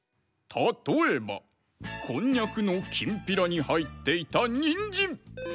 たとえばこんにゃくのきんぴらにはいっていたニンジン！